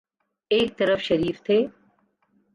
ایک طرف شریف تھے۔